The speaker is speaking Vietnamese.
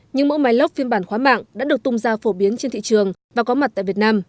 những mẫu máy lốc phiên bản khóa mạng đã được tung ra phổ biến trên thị trường và có mặt tại việt nam